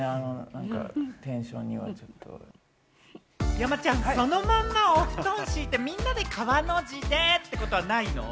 山ちゃん、そのまんまお布団敷いて、みんなで川の字でってことはないの？